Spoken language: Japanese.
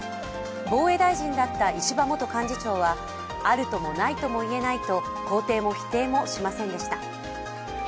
防衛大臣だった石破元幹事長はあるともないともいえないと肯定も否定もしませんでした。